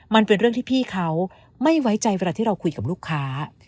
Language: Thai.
มันเป็นเรื่องที่พี่เขาไม่ไว้ใจเวลาที่เราคุยกับลูกค้า